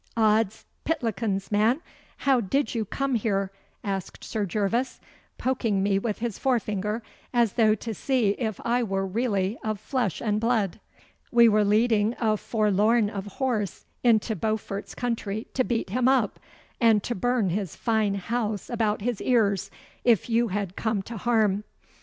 'Od's pitlikins, man, how did you come here?' asked Sir Gervas, poking me with his forefinger as though to see if I were really of flesh and blood. 'We were leading a forlorn of horse into Beaufort's country to beat him up, and to burn his fine house about his ears if you had come to harm.